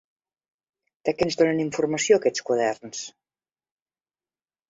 De què ens donen informació aquests quaderns?